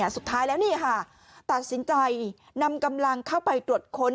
สุดท้ายแล้วนี่ค่ะตัดสินใจนำกำลังเข้าไปตรวจค้น